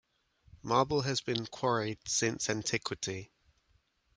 Marble has been quarried since antiquity.